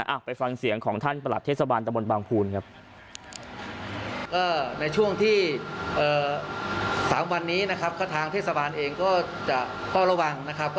อ่ะไปฟังเสียงของท่านประหลัดเทศบาลตะบนบางภูนครับ